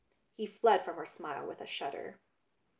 He fled from her smile with a shudder.